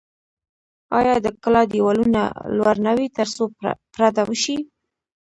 آیا د کلا دیوالونه لوړ نه وي ترڅو پرده وشي؟